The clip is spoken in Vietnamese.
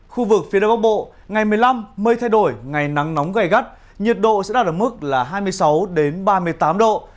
khu vực phía đông bắc bộ ngày một mươi năm mây thay đổi ngày nắng nóng gây gắt nhiệt độ sẽ đạt ở mức là hai mươi sáu ba mươi tám độ